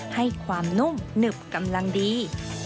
ให้ความนุ่มหนึบกำลังดี